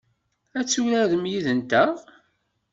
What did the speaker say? Ad turarem yid-nteɣ?